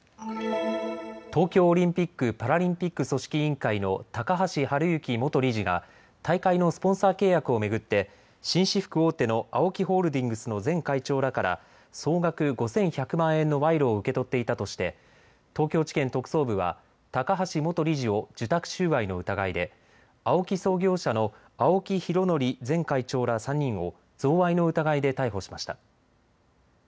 東京オリンピック・パラリンピック組織委員会の高橋治之元理事が大会のスポンサー契約を巡って紳士服大手のＡＯＫＩホールディングスの前会長らから総額５１００万円の賄賂を受け取っていたとして東京地検特捜部は高橋元理事を受託収賄の疑いでＡＯＫＩ創業者の青木拡憲前会長ら３人を贈賄の疑いで逮捕しました。